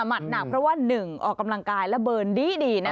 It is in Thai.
หนักเพราะว่า๑ออกกำลังกายระเบิร์นดีนะ